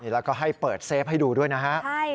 แล้วก็ให้เปิดเซฟให้ดูด้วยนะฮะ